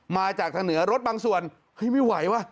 มาจากทางเหนือรถบางส่วนเฮ้ยไม่ไหวว่ะ